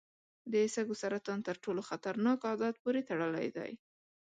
د سږو سرطان تر ټولو خطرناک عادت پورې تړلی دی.